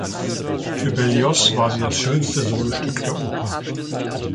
Für Berlioz war sie das schönste Solostück der Oper.